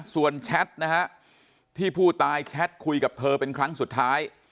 ส่วนแชทนะฮะที่ผู้ตายแชทคุยกับเธอเป็นครั้งสุดท้าย